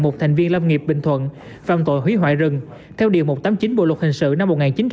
một thành viên lâm nghiệp bình thuận phạm tội hủy hoại rừng theo điều một trăm tám mươi chín bộ luật hình sự năm một nghìn chín trăm bảy mươi năm